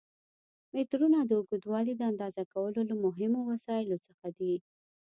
مترونه د اوږدوالي د اندازه کولو له مهمو وسایلو څخه دي.